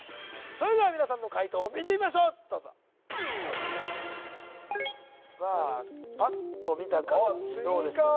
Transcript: それでは皆さんの解答を見てみましょうどうぞさあパッと見た感じどうでしょう？